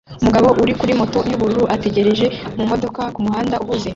Umugabo uri kuri moto yubururu ategereje mumodoka kumuhanda uhuze